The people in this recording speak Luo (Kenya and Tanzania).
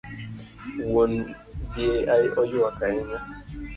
Wuon gi oywak ahinya